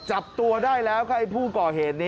จับตัวได้แล้วค่ะไอ้ผู้ก่อเหตุ